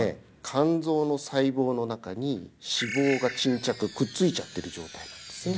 肝臓の細胞の中に脂肪が沈着くっついちゃってる状態なんですね